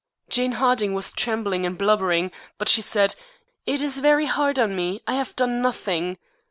Jane Harding was trembling and blubbering, but she said, 'It is very hard on me. I have done nothing.'